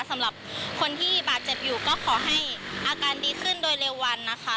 สำหรับคนที่บาดเจ็บอยู่ก็ขอให้อาการดีขึ้นโดยเร็ววันนะคะ